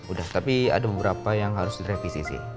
udah tapi ada beberapa yang harus direvisi sih